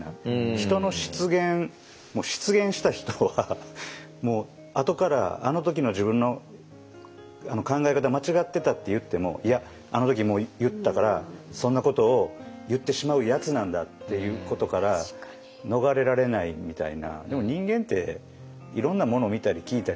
人の失言失言した人はもうあとから「あの時の自分の考え方間違ってた」って言ってもいやあの時もう言ったからそんなことを言ってしまうやつなんだっていうことから逃れられないみたいな。